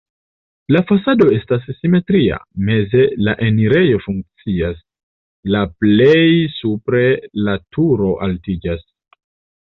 La fasado estas simetria, meze la enirejo funkcias, la plej supre la turo altiĝas.